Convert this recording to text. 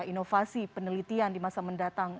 inovasi penelitian di masa mendatang